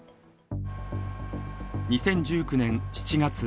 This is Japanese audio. ２０１９年７月。